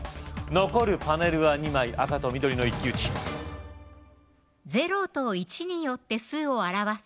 残るパネルは２枚赤と緑の一騎打ち０と１によって数を表す